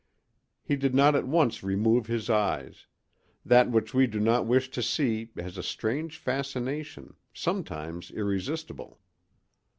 He did not at once remove his eyes; that which we do not wish to see has a strange fascination, sometimes irresistible.